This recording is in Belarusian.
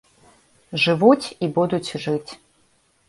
Жывуць і будуць жыць.